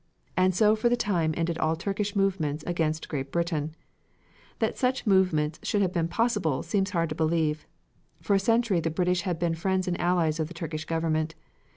And so for the time ended all Turkish movements against Great Britain. That such movements should have been possible seems hard to believe. For a century the British had been the friends and allies of the Turkish Government.